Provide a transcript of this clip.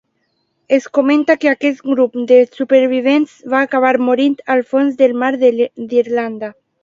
Es comenta que aquest grup de supervivents va acabar morint al fons dels mars d'Irlanda.